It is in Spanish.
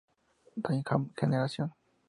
Typhoon Generation